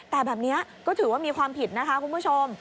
แต่แบบนี้ก็ถือว่ามีความผิดนะคะคุณผู้ชม